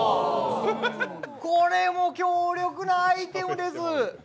これも強力なアイテムです。